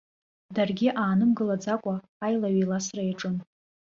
Даргьы аанымгылаӡакәа аилаҩ-еиласра иаҿын.